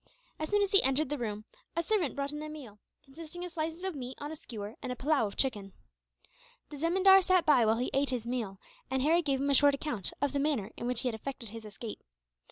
As soon as he entered the room, a servant brought in a meal; consisting of slices of meat on a skewer, and a pillau of chicken. The zemindar sat by while he ate his meal, and Harry gave him a short account of the manner in which he had effected his escape.